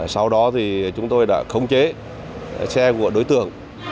sau đó thì chúng tôi đã khống chế xe của đối tượng